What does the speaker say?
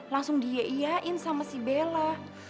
langsung di iain sama si bella